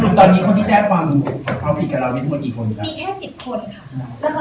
สรุปตอนนี้คนที่แจ้งความเอาผิดกับเรามีทั้งหมดกี่คนครับมีแค่สิบคนค่ะ